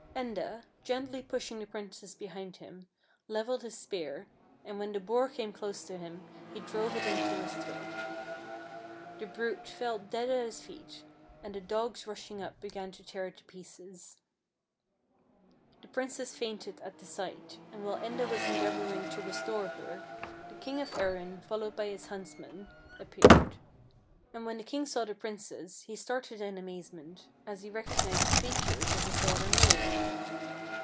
Enda, gently pushing the princess behind him, leveled his spear, and when the boar came close to him he drove it into his throat. The brute fell dead at his feet, and the dogs rushing up began to tear it to pieces. The princess fainted at the sight, and while Enda was endeavoring to restore her, the king of Erin, followed by his huntsmen, appeared, and when the king saw the princess he / 'I li. ivr iiiouriicd \dii as ili ad. my viid In "...:;.') THE HOUSE IN THE LAKE 39 started in amazement, as he recognized the features of his daughter Mave.